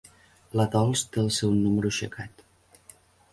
La Dols té el seu número aixecat.